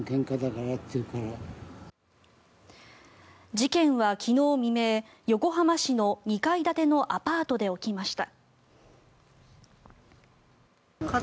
事件は昨日未明横浜市の２階建てのアパートで起きました。